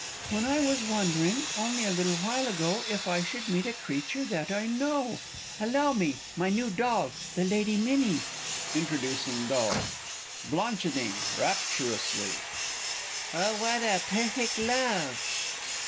When I was wondering, only a little while ago, If I should meet a creature that I know; Allow me my new doll, the Lady Minnie! [Introducing doll. Bl. (rapturously). Oh, what a perfect love!